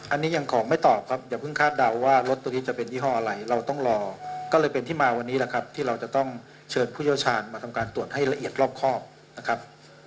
อันนี้ยังขอไม่ตอบครับอย่าเพิ่งคาดเดาว่ารถตัวนี้จะเป็นยี่ห้ออะไรเราต้องรอก็เลยเป็นที่มาวันนี้แหละครับที่เราจะต้องเชิญผู้เชี่ยวชาญมาทำการตรวจให้ละเอียดรอบครอบนะครับ